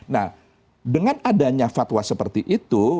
nah dengan adanya fatwa seperti itu